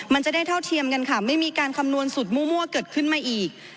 มันจะได้เท่าเทียมกันค่ะไม่มีการคำนวณสุดมั่วเกิดขึ้นมาอีก